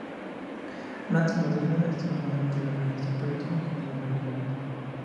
La naturaleza extremadamente larga de este proyecto ha generado varias leyendas.